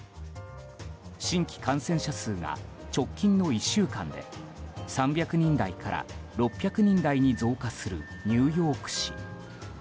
新規感染者数が直近の１週間で３００人台から６００人台に増加するニューヨーク市。